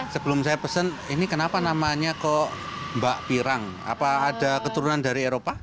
sebelum saya pesen ini kenapa namanya kok mbak pirang apa ada keturunan dari eropa